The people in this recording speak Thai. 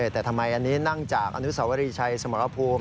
แต่ทำไมอันนี้นั่งจากอนุสาวรีชัยสมรภูมิ